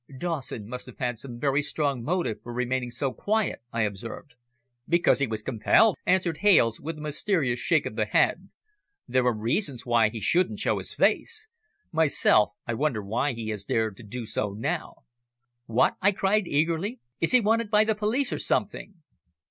"Dawson must have had some very strong motive for remaining so quiet," I observed. "Because he was compelled," answered Hales, with a mysterious shake of the head. "There were reasons why he shouldn't show his face. Myself, I wonder why he has dared to do so now." "What!" I cried eagerly, "is he wanted by the police or something?"